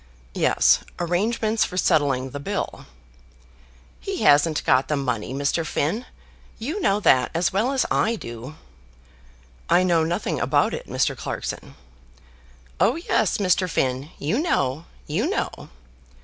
"Yes, arrangements for settling the bill." "He hasn't got the money, Mr. Finn. You know that as well as I do." "I know nothing about it, Mr. Clarkson." "Oh yes, Mr. Finn; you know; you know."